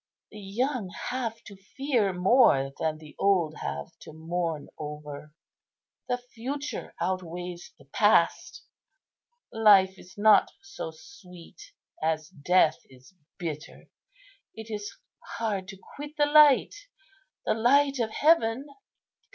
The young have to fear more than the old have to mourn over. The future outweighs the past. Life is not so sweet as death is bitter. It is hard to quit the light, the light of heaven."